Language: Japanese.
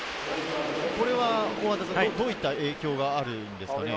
どういった影響があるんですかね？